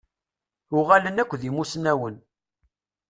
Uɣalen akk d imussnawen.